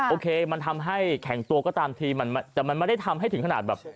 โอเคมันทำให้แข็งตัวก็ตามทีแต่มันไม่ได้ทำให้ถึงขนาดแบบ